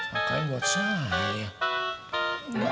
makanya buat saya